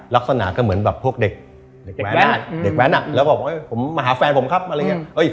ลักษณะเหมือนแบบพวกเด็กแวนแล้วก็อย่างมาหาแฟนผมครับอะไรอย่างเนี่ย